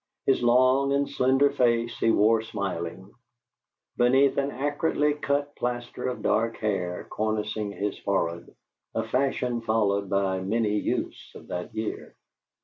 His long and slender face he wore smiling, beneath an accurately cut plaster of dark hair cornicing his forehead, a fashion followed by many youths of that year.